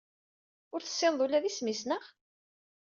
Ur tessineḍ ula d isem-is, neɣ?